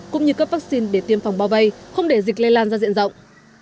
cũng như cấp vaccine để tiêm phòng bao vây không để dịch lây lan ra diện rộng